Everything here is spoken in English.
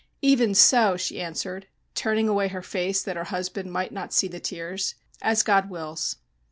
"Even so!" she answered, turning away her face that her husband might not see the tears. "As God wills."